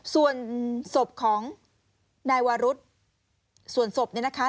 ส่วนศพของนายวารุธส่วนศพเนี่ยนะคะ